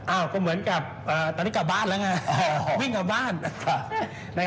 ก็เหมือนกับตอนนี้กลับบ้านแล้วไงวิ่งกลับบ้าน